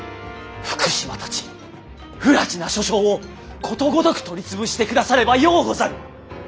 福島たち不埒な諸将をことごとく取り潰してくださればようござる！